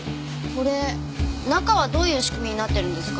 これ中はどういう仕組みになってるんですか？